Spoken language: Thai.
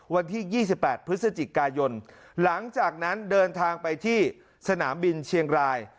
วันที่๒๘พฤศจิกายนหลังจากนั้นเดินทางไปที่สนามบินเชียงราย